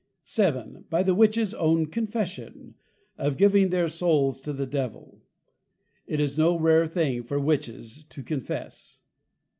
VII. By the Witches own Confession, of Giving their Souls to the Devil. It is no Rare thing, for Witches to Confess.'